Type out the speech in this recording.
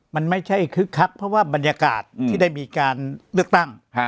มันไม่ใช่คึกคักเพราะว่าบรรยากาศที่ได้มีการเลือกตั้ง